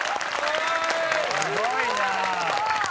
すごいなぁ。